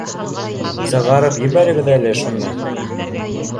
— Сығарып ебәрегеҙ әле шуны